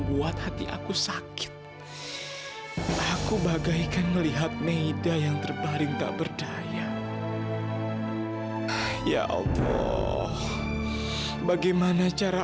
buat hati aku sakit aku bagaikan melihat meida yang terbaring tak berdaya ya allah bagaimana cara